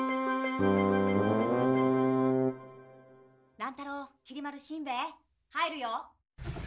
乱太郎きり丸しんべヱ入るよ。